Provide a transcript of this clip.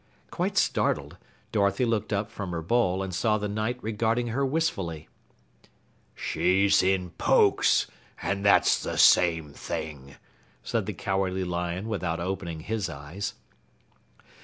Quite startled, Dorothy looked up from her bowl and saw the Knight regarding her wistfully. "She's in Pokes, and that's the same thing," said the Cowardly Lion without opening his eyes.